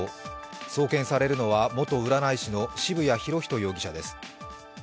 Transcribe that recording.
送検されるのは元占い師の渋谷博仁容疑者です。